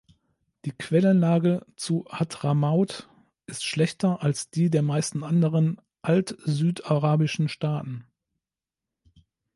Die Quellenlage zu Hadramaut ist schlechter als die der meisten anderen altsüdarabischen Staaten.